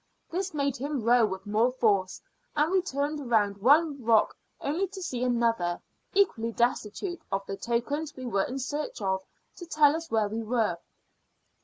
This made him row with more force, and we turned round one rock only to see another, equally destitute of the tokens we were in search of to tell us where we were.